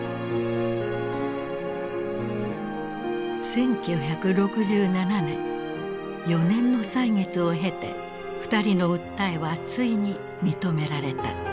１９６７年４年の歳月を経て二人の訴えはついに認められた。